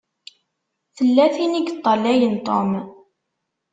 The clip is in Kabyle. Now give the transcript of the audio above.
Tella tin i yeṭṭalayen Tom.